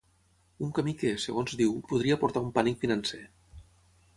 Un camí que, segons diu, podria portar un pànic financer.